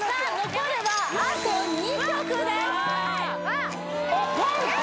残るはあと２曲です